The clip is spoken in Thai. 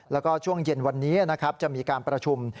แล้วก็ช่วงเย็นวันนี้นะครับจะมีการประชุม